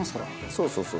そうそうそうそう。